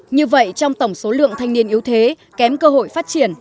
như vậy trong tổng số lượng thanh niên yếu thế kém cơ hội phát triển